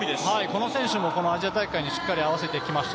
この選手もアジア大会にしっかり合わせてきました。